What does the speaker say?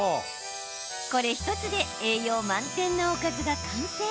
これ１つで栄養満点なおかずが完成。